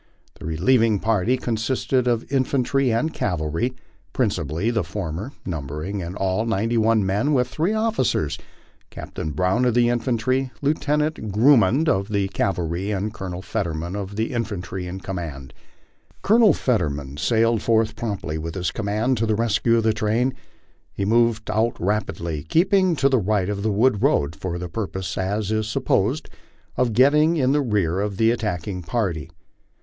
The relieving party consisted of infantry and cavalry, principally the former, numbering in all ninety one men with three officers Captain Brown of the infantry, Lieutenant Grummond of the cavalry, and Colonel Fetterman of the infantry in command. Colonel Fetterman sallied forth promptly with his command to the rescue of the train. He moved cut rapidly, keeping to the right of the wood road, for 84 MY LIFE ON THE PLAINS. the purpose, as is supposed, of getting in rear of the attacking 1 party.